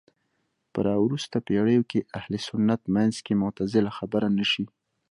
په راوروسته پېړيو کې اهل سنت منځ کې معتزله خبره نه شي